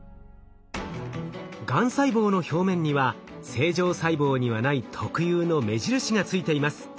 がん細胞の表面には正常細胞にはない特有の目印がついています。